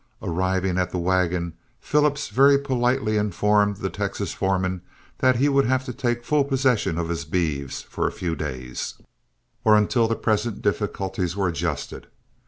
Arriving at the wagon, Phillips very politely informed the Texas foreman that he would have to take full possession of his beeves for a few days, or until the present difficulties were adjusted.